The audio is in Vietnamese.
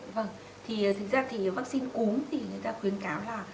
vâng thì thực ra thì vắc xin cúng thì người ta khuyến cáo là